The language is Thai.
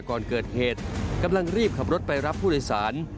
ก่อนเกิดเหตุกำลังรีบขับรถไปรับผู้โดยสาร